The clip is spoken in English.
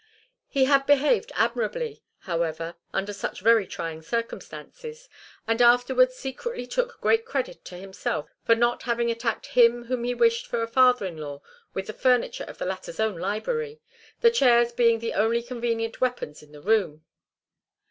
He had behaved admirably, however, under such very trying circumstances, and afterwards secretly took great credit to himself for not having attacked him whom he wished for a father in law with the furniture of the latter's own library, the chairs being the only convenient weapons in the room.